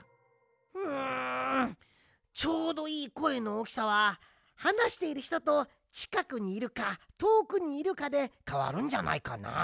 うんちょうどいいこえのおおきさははなしているひととちかくにいるかとおくにいるかでかわるんじゃないかな。